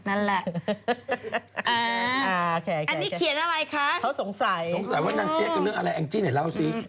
อืมนั่นแหละ